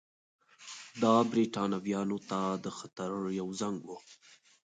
دا برېټانویانو ته د خطر یو زنګ وو.